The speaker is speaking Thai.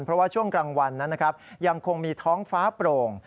เพราะว่าช่วงกลางวันนั้นนะครับยังคงมีท้องฟ้าโปร่ง